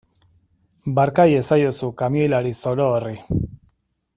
Barka iezaiozu kamioilari zoro horri.